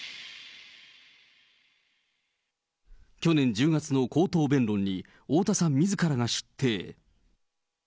去年１０月の口頭弁論に太田さんみずからが出廷。